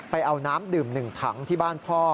ไปเอาน้ำดื่ม๑ถังที่บ้านพ่อ